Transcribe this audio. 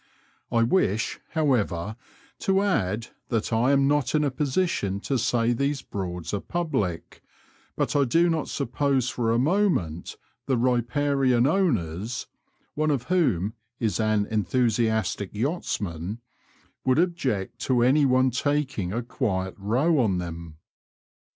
I wish, however, to add that I am not in a position to say these Broads are public, but I do not suppose for a moment the riparian owners (one of whom is an enthusiastic yachtsman) would object to any one taking a quiet row on them.